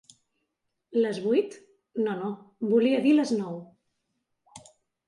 Les vuit? No, no, volia dir les nou.